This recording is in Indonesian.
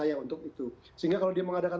saya untuk itu sehingga kalau dia mengadakan